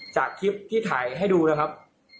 จากคลิปที่ถ่ายให้ดูนะครับ